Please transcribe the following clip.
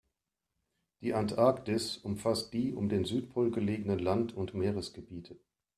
Die Antarktis umfasst die um den Südpol gelegenen Land- und Meeresgebiete.